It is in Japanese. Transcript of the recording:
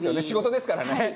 仕事ですからね。